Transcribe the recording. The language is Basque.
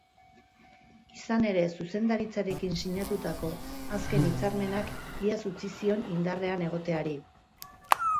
Izan ere, zuzendaritzarekin sinatutako azken hitzarmenak iaz utzi zion indarrean egoteari.